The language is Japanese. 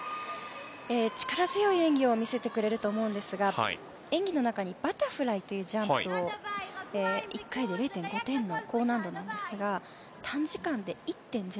力強い演技を見せてくれると思うんですが演技の中にバタフライというジャンプを１回で０．５点の高難易度なんですが短時間で１．０。